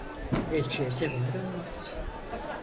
Elçiye zeval olmaz.